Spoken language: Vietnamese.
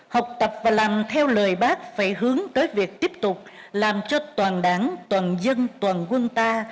học tập và làm theo lời bác phải hướng tới việc tiếp tục làm cho toàn đảng toàn dân toàn quân ta